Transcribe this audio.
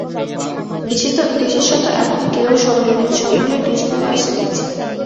বিশেষত এখন কেহ শহরে নাই, সকলেই গ্রীষ্মাবাসে গিয়াছে।